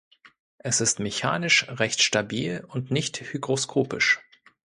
Es ist mechanisch recht stabil und nicht hygroskopisch.